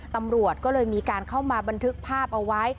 ตำรวจก็เลยมีการเข้ามาบันทึกภาพเอาไว้